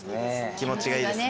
気持ちいいですね。